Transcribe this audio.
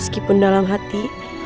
beskipun dalam hati